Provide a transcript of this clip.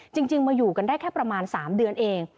จริงมาอยู่กันได้แค่ประมาณ๓เดือนเอง